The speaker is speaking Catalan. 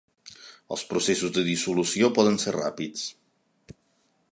Els processos de dissolució poden ser ràpids.